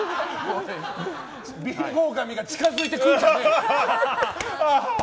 貧乏神が近づいてくんじゃねえ！